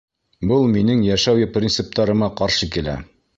Был минең йәшәү принциптарыма ҡаршы килә!